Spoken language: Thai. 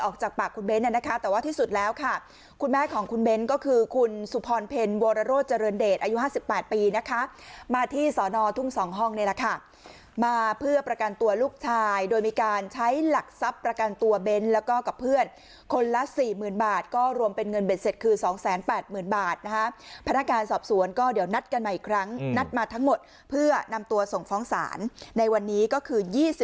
คือคุณสุพรเพ็ญโวรโรสเจริญเดชอายุ๕๘ปีนะคะมาที่สอนอทุ่ม๒ห้องนี้นะคะมาเพื่อประกันตัวลูกชายโดยมีการใช้หลักทรัพย์ประกันตัวเบนแล้วก็กับเพื่อนคนละ๔๐๐๐๐บาทก็รวมเป็นเงินเบนเสร็จคือ๒๘๐๐๐๐บาทนะคะพนักการสอบสวนก็เดี๋ยวนัดกันมาอีกครั้งนัดมาทั้งหมดเพื่อนำตัวส่งฟ้องศาลในวันนี้ก็คื